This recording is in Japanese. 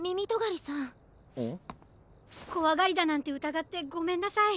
こわがりだなんてうたがってごめんなさい！